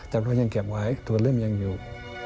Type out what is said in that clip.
ตำรวจยังเก็บไว้ตัวเริ่มยังอยู่